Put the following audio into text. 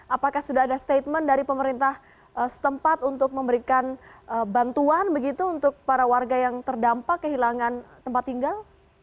apakah sudah ada statement dari pemerintah setempat untuk memberikan bantuan begitu untuk para warga yang terdampak kehilangan tempat tinggal